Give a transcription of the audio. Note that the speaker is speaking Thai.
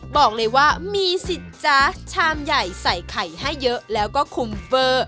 บอกเลยว่ามีสิจ๊ะชามใหญ่ใส่ไข่ให้เยอะแล้วก็คุมเฟอร์